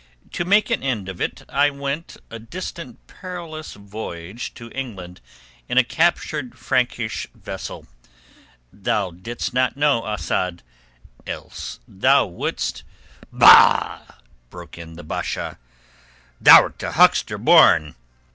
To make an end of it I went a distant perilous voyage to England in a captured Frankish vessel. Thou didst not know, O Asad, else thou wouldst...." "Bah!" broke in the Basha. "Thou'rt a huckster born.